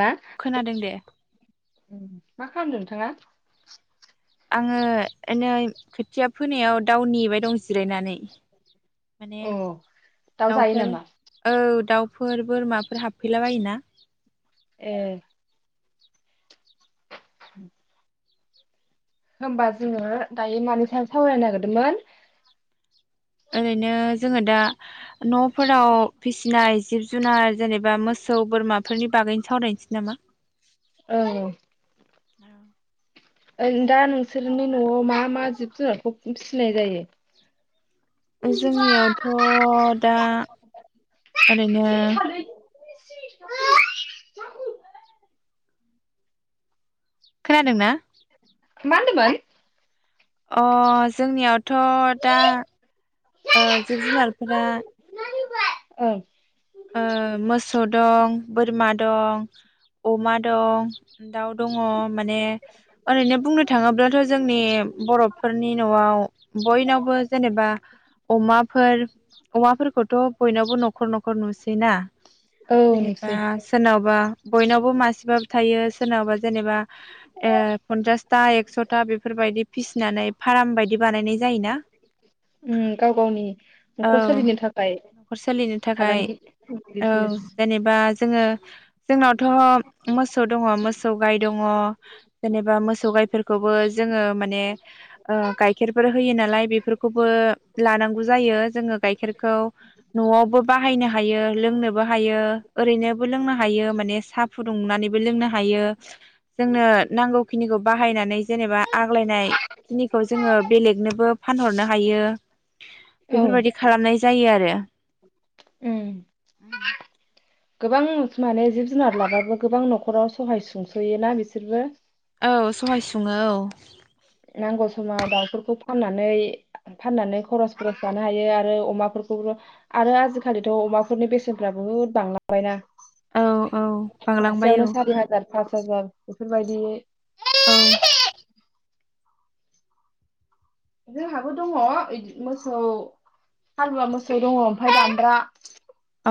मा खोनादों दे मा खालामदों नोंथाङा? आङो नै खोथिया फोनायाव दाउ नेबाय दं जिरायनानै। माने अ दाउ जायो दाउफोर नामा औ दाउ फोर बोरमाफोर हाबफैला बायोना। ए। [inaudible] होमबा जोङो दायो मानो सायाव सावरायनो नागिरदोंमोन? ओरैनो जोङो दा न'फोराव फिसिनाय जिब जुनार जेनेबा मोसौ बोरमाफोरनि बागैनो सावरायनोसै नामा। औ। औ। दा नोंसोरनि न'आव मा मा जिब जुनारखौ फिसिनाय जायो! मा जोंनियावथ दा ओरैनो [unintelligible] खोनादों ना? मा होन्दोंमोन? अ जोंनियावथ दा ओ जिब जुनारफोरा औ। ओ मोसौ दं बोरमा दं अमा दं दाउ दङ माने ओरैनो बुंनो थाङोब्लाथ जोंनि बर'फोरनि न'आव बयनावबो जेनेबा अमाफोर अमाफोरखौथ बयनावबो नखर नखर नुसैना औ जेनबा नुसै सोरनावबा आ बयनावबो मासेबाबो थायो सोरनावबा जेनेबा ए पनसासथा एक्सथा बेफोरबायदि फिसिनानै फाराम बायदि बानायनाय जा ओं गाव गावनि औ नखर सोलिनो थाखाय न'खर सोलिनो थाखाय फालांगि औ बिजनेस जेनेबा जोङो जोंनावथ मोसौ दङ मोसौ गाय दङ जेनेबा मोसौ गायफोरखौबो जोङो माने ओ गायखेरफोर होयो नालाय बेफोरखौबो लानांगौ जायो जोङो गायखेरखौ न'आवबो बाहायनो हायो लोंनोबो हायो ओरैनोबो लोंनो हायो माने साहा फुदुंनानैबो लोंनो हायो जोंनो नांगौखिनिखौ बाहायनानै जेनेबा आग्लायनाय खिनिखौ जोङो बेलेगनोबो फानहरनो हायो औ बेफोरबायदि खालामनाय जा जायो आरो। उम गोबां माने जिब जुनार लाबाबो गोबां न'खराव सहाय सुंसयोना बिसोरबो औ सहाय सुङो औ। नांगौ समाव दाउफोरखौ फाननानै फाननानै खरस खरस जानो हायो आरो अमाफोरखौबो आरो आजिखालिथ अमाफोरनि बेसेनफोरा बुहुद बांलांबायना औ औ बांलांबाय औ मासेयावनो सारि हाजार फास हाजार बेफोर बायदियै औ। जोंहाबो दङ' इदि मोसौ हालुवा मोसौ दङ' ओमफ्राय दामब्रा अ।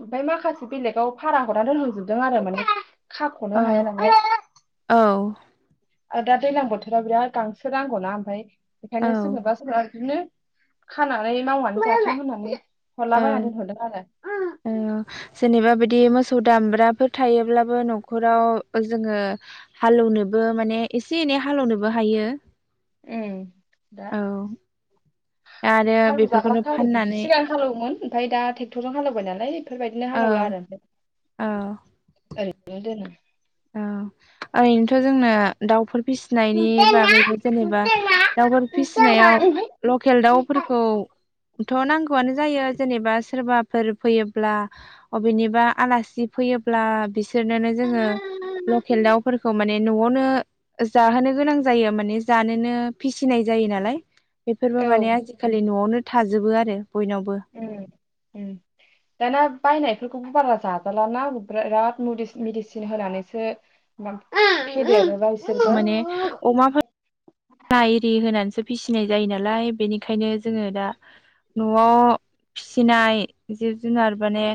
ओमफफ्राय माखासे बेलेगाव भारा हरनानै दोनहरजोबदों आरो माने खाख'नो हाया नालाय औ आरो दा दैज्लां बोथोराव बिराद गांसो नांगौना ओमफ्राय औ बेखायनो सोरबाबा सोरबाबा बिदिनो खानानै मावनानै जाथों होननानै औ हरला बायनानै दोनहरदों आरो औ जेनेबा बिदि मोसौ दामब्रा फोर थायोब्लाबो नखर न'खराव जोङो हालौनोब बो माने एसे एनै हालेवनोबो हायो औ आरो हालव बेफोरखौनो जाग्राखा आरो गिदि फाननानै सिगां हालएवोमोन ओमफ्राय दा थेकटरजों हालेवबाय नालाय बेफोरबायदिनो औ हालेवला आरो ओमफ्राय औ ओरैनो दोङो औ। ओरैनोथ' जोंनो दाउफोर फिसिनायनि बागैबो जेनेबा दाउफोर फिसिनायाव लकेल दाउफोरखौ ओनथ' नांगौआनो जायो जेनेबा सोरबाफोर फैयोब्ला अबेनिबा आलासि फैयोब्ला बिसो देरनानै जोङो लकेल दाउफोरखौ माने न'आव नयावनो जाहोनो गोनां जायो माने जानोनो फिसिनाय जायो नालाय बेफोरबो औ माने आजिखालि न'आवनो थाजोबो आरो द उम उम दाना बायनाय फोरखौबो बारा जाजालााना बि-बिराद मेदिसिन होनानैसो फेदेरो माने अमाफोर ना एरि होनानैसो फिसिनाय जायो नालाय बेनिखायनो जोङो दा न'आव फिसिनाय जिब जुनार माने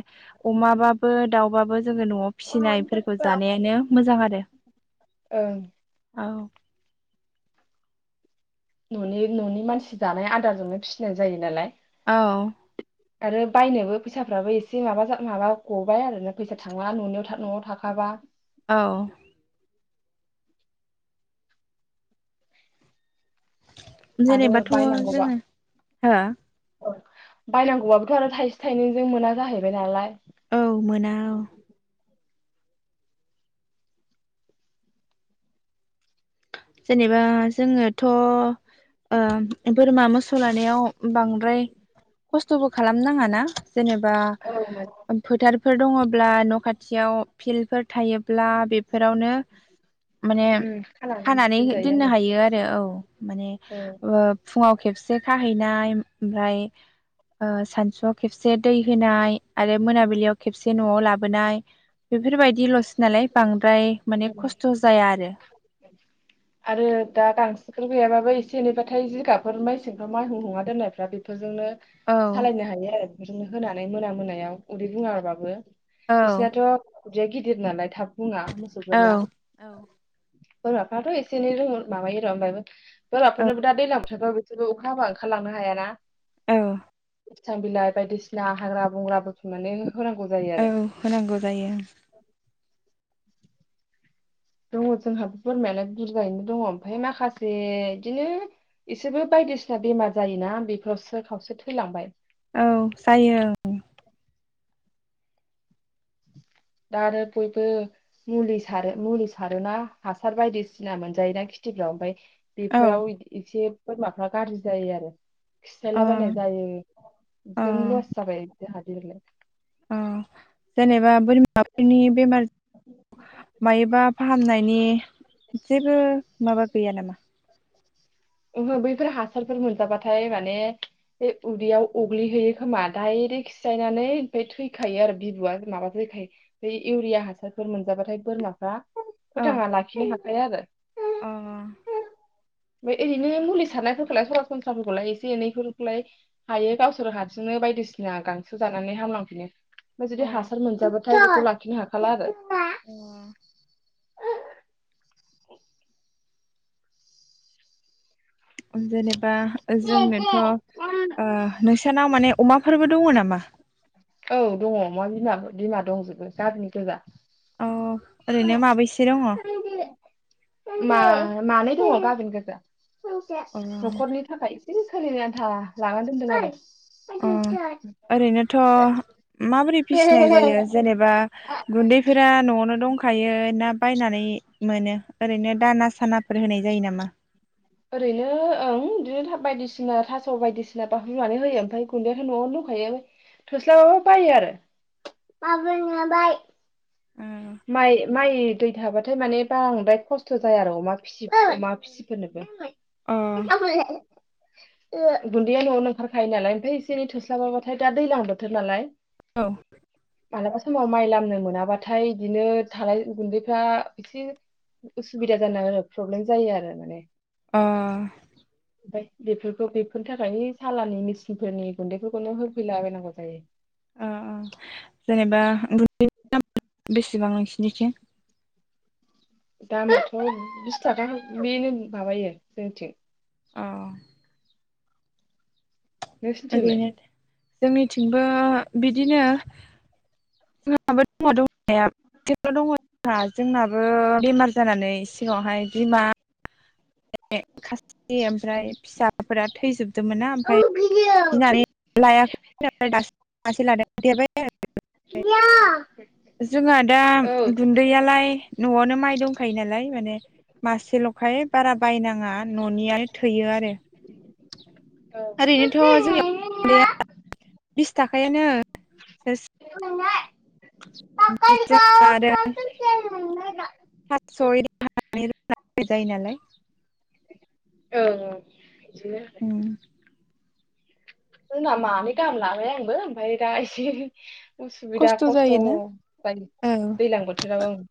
अमाबाबो दाउबाबो जोङो न'आव ओं फिसिनायफोरखौ जानायानो मोजां आरो औ। न'नि न'नि मानसि जानाय आदारजोंनो फिसिनाय जायो नालाय औ आरो बायनोबो फैसाफ्राबो एसे माबा जा माबा गबाय आरोना फैसा थांला न'नियाव न'आव थाखाबा। औ आरो जेनेबाथ' जोङो हो बायनांगौआबोथ' आरो थाइसे थाइनैजों मोना जाहैबाय नालाय औ मोना औ जेनेबा जोङोथ' ओ बोरमा मोसौ लानायाव बांद्राय खस्थ'बो खालामनाङाना जेनेबा औ फोथारफोर दङ'ब्ला न' खाथ खाथियाव फिल्डफोर थायोब्ला बेफोरावनो माने उम खा खानानै दोननो हायो आरो औ माने आरो ओ फुङाव खेबसे खाहैनाय ओमफाय ओ सानसुआव खेबसे दै होनाय आरो मोनाबिलियाव खेबसे न'आव लाबोनाय बेफोरबायदि लसो नालाय बां फ्राय माने औ खस्थ' जाया आरो आरो दा गांसोफोर गैयाबाबो एसे एनैबाथाय जिगाबफोर माइसेंफोर माइ हुं हुंना दोननायफ्रा बेफोरजोंनो औ सालायनो हायो आरो नो होनानै मोना मोनायाव उदै बुङाबाबो औ बिसिनाथ' उदैया गिदिर नालाय थाब बु औ औ बोरमाफ्राथ' एसे एनै रोङो माबायो र' ओमबाबो बोरमाफोरनोबो दा दैलां बोथोरफ्राव बिसोरबो अखा हाबा ओंखारलांनो हायाना औ फिथा बिलाइ बायदिसिना हाग्रा बंग्रा बुथुमनानै होनांगौ जायो आरो औ होनांगौ जायो दङ' जोंहाबो बोरमायालाय बुरजायैनो दङ' ओमफाय माखासे इदिनो इसेबो बायदिसिना बेमार जायोना बेफोरसो खावसे थैलांबाय औ जायो औ दा आरो बयबो मुलि सारो मुलि सारोना हासार बायदिसिना मोनजायोना खिथिफ्राव ओमफाय औ बेफोराव इदि एसे बोरमाफ्रा गाज्रि जायो आरो अ खिसायला बायनाय जायो बिखोनो लस जाबाय जाहा दे देग्लाय ओ जेनेबा बोरमाफोरनि बेमार मायोबा फाहामनायनि जेबो माबा गैया नामा? ओहो बैफोर हासारफोर मोनजाबाथाय माने बे उदैयाव अग्लिहैयो खोमा दडायरेक्ट खिसायनानै ओमफ्राय थैखायो आरो बिबुआ माबा फैखायो बे इउरिया हासारफोर मोनजाबाथाय बोरमाफ्रा औ फोथांना लाखिनो हाखाया आरो अ ओमफाय ओरैनो मुलि सारनायफोरखौलाय सरासनस्राफोरखौलाय एसे एनैफोरखौलाय हायो गावसोर हारसिंनो बायदिसिना गांसो जानानै हामलांफिनो ओमफाय अ जुदि हासार मोनजाबाथाय बेखौ लाखिनो हाखाला आरो [unintelligible] बा ओ जोंनोथ ओ नोंसानाव माने अमाफोरबो दङ नामा औ दङ अमा बिमा बिमा दंजोबो गाबिन गोजा अ ओरैनो माबैसे दङ? मा-मानै दंङ गाबिन गोजा अ नखरनि थाखाय एसे सोलिनो आन्था लानान दोनदों आरो अ ओरैनोथ माबोरै फिसिनाय जायो आरो जेनेबा गुन्दैफोरा नआवनो दंखायो यो ना बायनानै मोनो ओरैनो दाना सानाफोर होनाय जायो नामा? ओरैनो ओं बिदिनो था बायदिसिना थास' बायदिसिना बा रूनानै होयो ओमफाय गुन्दैयााथ नआवनो दंखायो थोस्लाबाबाबो बायो आरो अ माइ माइ दै थाबाथाय माने बांद्राय खस्थ जाया आरो अमा फिसिब अमा फिसिफोरनो [unintelligible] [unintelligible] औ गुन्दैया नआवनो ओंखारखायो नालाय ओमफाय एसे एनै थोस्लाबाबाथाय दा दैजलां बोथोर नालाय औ मालाबा समाव माइ लामनो मोनाबाथाय इदिनो थालाय गुन्दैफ्रा एसे उसुबिदा जानाहोयो प्रब्लेम जायो आरो माने अ ओमफ्राय बेफोरखौ बेफोरनि थाखाय ओइ सालानि मेसिनफोरनि गुन्दैफोरखौनो होफैलाबायनांगौ जायो। आ आ जेनेबा गुन्दैनि दाम [inaudible] बेस बेसेबां नोंसिनिथि? दामाथ बिस थाखा बेनो माबायो जोंथिं अ नोंसोनथिंलाय? ओरैनो जोंनिथिंबो बिदिनो जोंहाबो दङ थांनाया मासेल' दङ जोंहा जोंनाबो बेमार जानानै सिगांवहाय बिमा खासि ओमफ्राय फिसाफोरा थैजोब दों मोन्नाय औ ओमफ्राय ओं गिनानै लायाखै दासि मासे लादों देरबाय जोंहा दा ओं गुन्दैयालाय नआवनो माइ दंख खायो नालाय माने मासेल' [unintelligible] बारा बायनाङा ननियानो थोयो आरो। ओरैनोथ' औ जोंनियाव गुन्दैया [unintelligible] बिस थाखायानो [unintelligible] आरो पास सय [unintelligible] जायो नालाय। ओं ओं। उम। जोंना मानै गाहाम लाबाय आंबो ओमफाय दा एसे उसुबिदा खस्थ जायो औ दैज्लां बोथोराव ओं।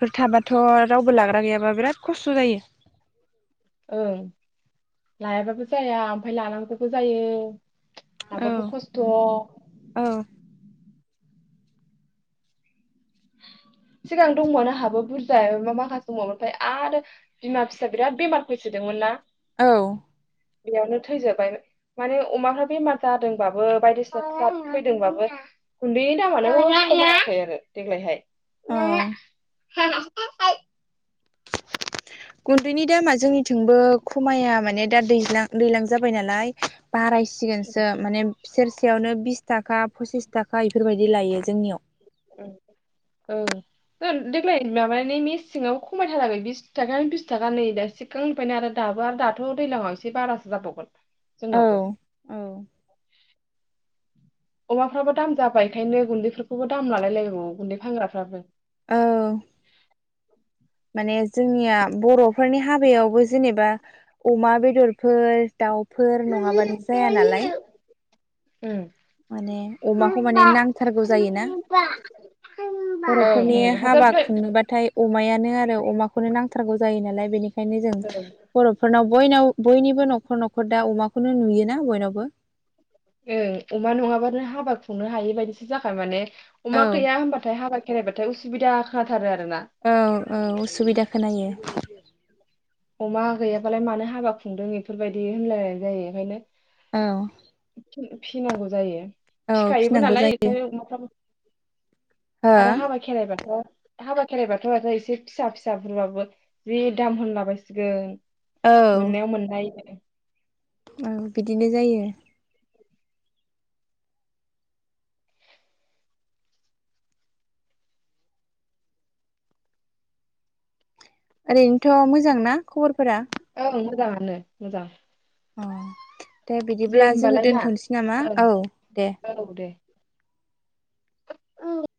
फोर थाबाथ' रावबो लाग्रा गैयाबा बिराद खस्थ' जायो। ओं लायाबाबो जाया ओमफ्राय लानांगौबो जायो। औ लाबाबो खस्थ'। औ सिगां दंमोन आहाबो बुरजा माखासे मफाय आरो बिमा फिसा बिराद बेमार फैसोदोंमोनना। औ। बेयावनो थैजोबबाय माने अमाफ्रा बेमार जादोंबाबो बायदिसिनाफ्रा फैदोंबाबो गुन्दैनि दामानो खमायाखै आरो। देग्लायहाय औ। गुन्दैनि दामा जोंनि थिंबो खमाया माने दा दैज्ला दैलां जाबाय नालाय। बारायसिगोनसो माने सेरसेयावनो बिस थाखा पसिस थाखा इफोरबायदि बिदि लायो जोंनियाव। ओ ओ ओ देग्लाय माबानि मेसेंआव खमायथाराखै बिस थाखानो बिस थाखा नै दा सिगांनिफ्रायनो आरो दाबो आरो दाथ' दैजलांआव एसे बारासो जाबावगोन। जोंनावबो औ औ। अमाफ्राबो दाम जाबाय एखायनो गुन्दैफोरखौबो दाम लालायलायनांगौ गुन्दै फानग्राफ्राबो। औ। माने जोंनिया बर'फोरनि हाबायावबो जेनेबा अमा बेदरफोर दाउ फोर नङाबानो जाया नालाय ओम माने अमाखौ माने ओं नांथारगौ जायोना बर'फोरनि ओं हाबा हाथारबाय खुंनोबाथाय अमायानो। नों आरो अमाखौनो नांथारगौ जायो नालाय बेनिखा नि जों ओं बर'फोरनाव बयनाव बयनिबो न'खर न'खर दा अमाखौ खुनु नुयोना बयनावबो। ओ अमा नङाबानो हाबा खुंनो हायि बायदिसो जाखाय माने। औ अमा गैया होनबाथाय हाबा खेरायबाथाय उसुबिदा खोनाथारो आरो। औ औ उसुबिदा खोनायो। अमा गैयाबालाय मानो हाबा खुंदों बेफोरबायदि होनलायनाय जायो ओंखायनो औ फि- फिनांगौ जायो। औ फिखायोबो फिनांगौ नालाय जायो ओंखायनो हो आरो हाबा खेराइबाथ' हाबा खेरायबाथ' आरो एसे फिसा फिसा फोरबाबो जि दाम होनलाबाय सिगोन मोननायाव मोननाय ओ बिदिनो जायो। ओरैनोथ' मोजां मोजां ना खबरफोरा? नो मोजां। अ दे बिदिब्ला जोङो होमबालाय ना दोन्थनोसै नामा ओं औ दे [unintelligible]